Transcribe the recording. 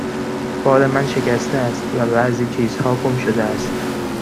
بار من شکسته است و بعضی چیزها گم شده است.